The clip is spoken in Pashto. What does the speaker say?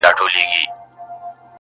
نه له واسکټه اندېښنه نه له بمونو وېره!.